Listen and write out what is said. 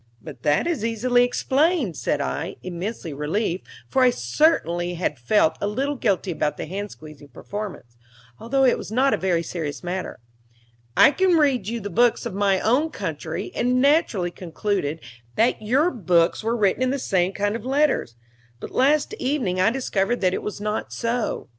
"But that is easily explained," said I, immensely relieved, for I certainly had felt a little guilty about the hand squeezing performance, although it was not a very serious matter. "I can read the books of my own country, and naturally concluded that your books were written in the same kind of letters; but last evening I discovered that it was not so.